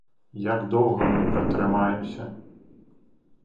Як доўга мы пратрымаемся?